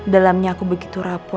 dalamnya aku begitu rapuh